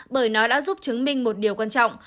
bởi nó đã giúp chứng minh một điều quan trọng